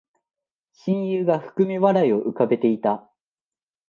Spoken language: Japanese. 親友が含み笑いを浮かべていた